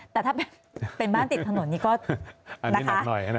แต่ถ้าเป็นบ้านติดถนนนี่ก็นะคะ